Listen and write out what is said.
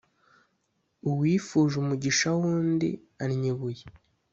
Uwifuje umugisha w’undi annya ibuye.